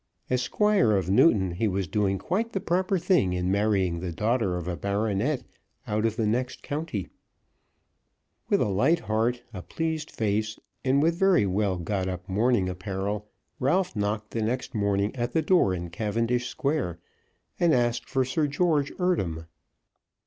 As Squire of Newton, he was doing quite the proper thing in marrying the daughter of a baronet out of the next county. With a light heart, a pleased face, and with very well got up morning apparel, Ralph knocked the next morning at the door in Cavendish Square, and asked for Sir George Eardham.